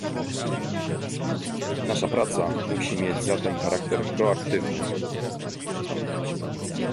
Nasza praca musi mieć zatem charakter proaktywny